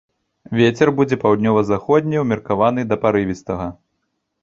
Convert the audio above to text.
Вецер будзе паўднёва-заходні ўмеркаваны да парывістага.